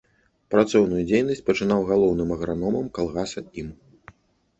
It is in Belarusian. Працоўную дзейнасць пачынаў галоўным аграномам калгаса ім.